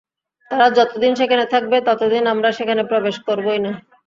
তারা যতদিন সেখানে থাকবে, ততদিন আমরা সেখানে প্রবেশ করবই না।